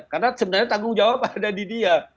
karena sebenarnya tanggung jawab ada di dia